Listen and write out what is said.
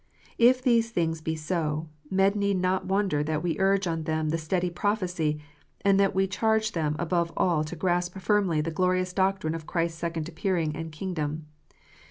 If these things be so, men need not wonder that we urge on them the study of prophecy, and that we charge them above all to grasp firmly the glorious doctrine of Christ s second appearing and kingdom.